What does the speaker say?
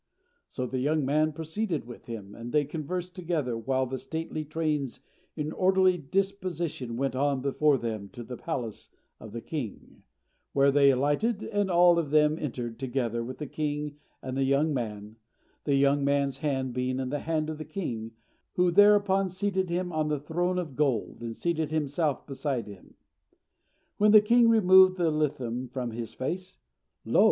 So the young man proceeded with him, and they conversed together, while the stately trains in orderly disposition went on before them to the palace of the king, where they alighted, and all of them entered, together with the king and the young man, the young man's hand being in the hand of the king, who thereupon seated him on the throne of gold and seated himself beside him. When the king removed the litham from his face, lo!